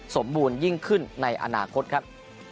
สมบูรณ์ยิ่งขึ้นในอนาคตครับ